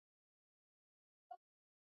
د کریپټو کرنسی بندیز شته؟